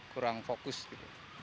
kurang fokus gitu